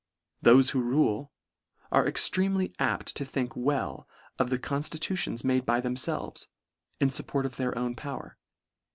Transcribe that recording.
Thofe who rule, are ex tremely apt to think, well of the conftrudti ons made by themfelves, in fupport of their own power.